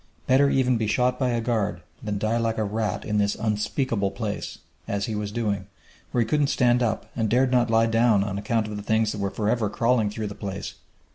Better even be shot by a guard than die like a rat in this unspeakable place, as he was doing, where he couldn't stand up and dared not lie down on account of the things that were forever crawling through the place!